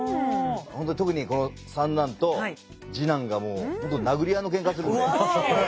ほんとに特にこの三男と次男がもうほんと殴り合いのけんかするんで。